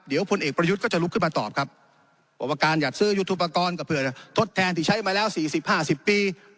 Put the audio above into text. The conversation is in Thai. เดี๋ยวพลเอกประยุทธ์ก็จะลุกขึ้นมาตอบครับบอกว่าการอยากซื้อยุทธุปกรณ์กับเพื่อทดแทนที่ใช้มาแล้ว๔๐๕๐ปี